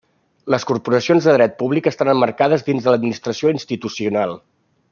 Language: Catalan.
Les corporacions de dret públic estan emmarcades dins l'administració institucional.